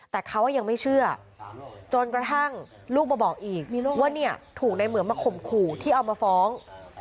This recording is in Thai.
แต่เขายังไม่เชื่อจนกระทั่งลูกมาบอกอีกว่าเนี่ยถูกในเหมืองมาข่มขู่ที่เอามาฟ้อง